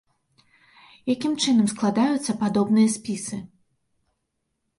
Якім чынам складаюцца падобныя спісы?